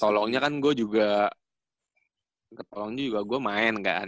iya ketolongnya kan gua juga ketolongnya juga gua main kan